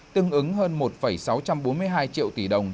tương ứng hơn một sáu trăm bốn mươi hai triệu tỷ đồng